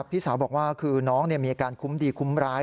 พี่สาวบอกว่าคือน้องมีอาการคุ้มดีคุ้มร้าย